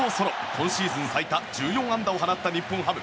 今シーズン最多１４安打を放った日本ハム。